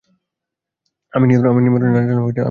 আমি নিমন্ত্রণ না জানালেও আসতাম!